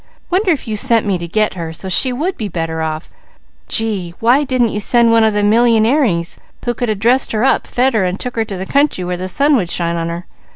Wonder if You sent me to get her, so she would be better off. Gee, why didn't You send one of them millyingaires who could a dressed her up, fed her and took her to the country where the sun would shine on her.